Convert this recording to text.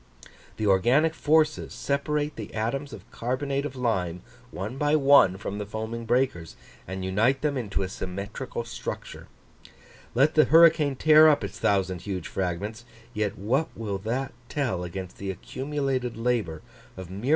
The organic forces separate the atoms of carbonate of lime, one by one, from the foaming breakers, and unite them into a symmetrical structure. Let the hurricane tear up its thousand huge fragments; yet what will that tell against the accumulated labour of myriads of architects at work night and day, month after month?